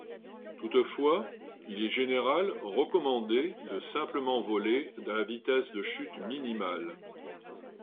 Toutefois il est général recommandé de simplement voler à la vitesse de chute minimale.